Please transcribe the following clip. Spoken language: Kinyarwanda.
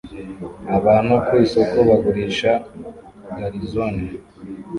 Abantu ku isoko bagurisha garizone